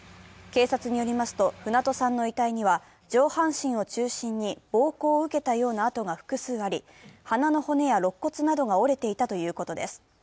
警察によりますと、船戸さんの遺体には、上半身を中心に暴行を受けたような痕が複数あり、鼻の骨や肋骨などが折れていたということです。